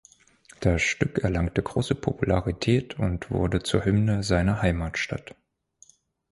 Das Stück erlangte große Popularität und wurde zur Hymne seiner Heimatstadt.